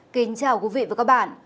kính chào quý vị và các bạn